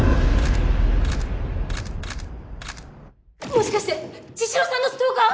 もしかして茅代さんのストーカー！？